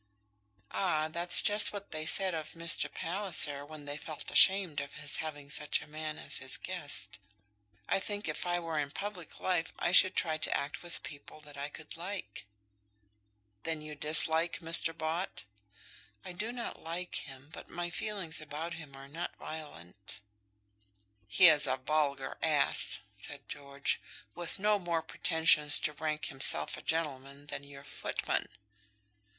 "Ah, that's just what they said of Mr. Palliser when they felt ashamed of his having such a man as his guest. I think if I were in public life I should try to act with people that I could like." "Then you dislike Mr. Bott?" "I do not like him, but my feelings about him are not violent." "He is a vulgar ass," said George, "with no more pretensions to rank himself a gentleman than your footman."